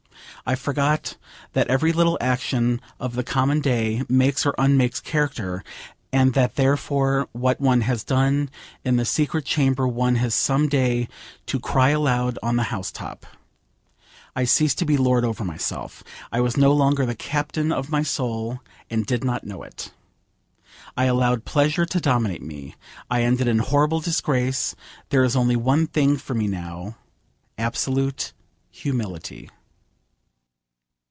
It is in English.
I forgot that every little action of the common day makes or unmakes character, and that therefore what one has done in the secret chamber one has some day to cry aloud on the housetop. I ceased to be lord over myself. I was no longer the captain of my soul, and did not know it. I allowed pleasure to dominate me. I ended in horrible disgrace. There is only one thing for me now, absolute humility.